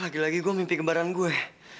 lagi lagi gue mimpi gembaran gue